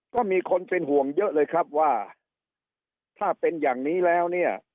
ก็มีคนเป็นห่วงเยอะเลยครับว่าถ้าเป็นอย่างนี้แล้วเนี่ย